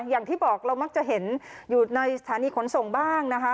อย่างที่บอกเรามักจะเห็นอยู่ในสถานีขนส่งบ้างนะคะ